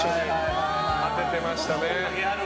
当ててましたね。